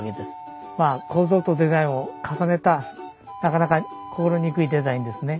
まあ構造とデザインを重ねたなかなか心憎いデザインですね。